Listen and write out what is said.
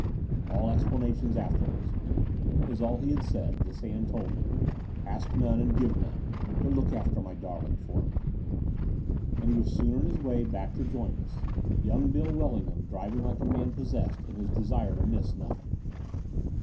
*'A11 explanations afterwards," was all he had said — ^this Ann told me. *'Ask none and give none: but look after my darling for me." And he was soon on his way back to join us. 296 The Door of the Unreal young Bill WeUingham driving like a man in his desire to miss nothing.